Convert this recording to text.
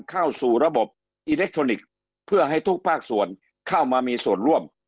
เข้าสู่ระบบอิเล็กทรอนิกส์เพื่อให้ทุกภาคส่วนเข้ามามีส่วนร่วม